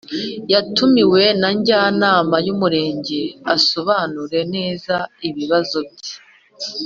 yatumiwe na Njyanama y’Umurenge asobanura neza ibibazo bye